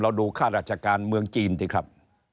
ดูค่าราชการเมืองจีนสิครับ